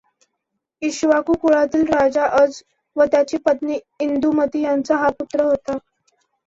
इक्ष्वाकु कुळातील राजा अज व त्याची पत्नी इंदुमती यांचा हा पुत्र होता.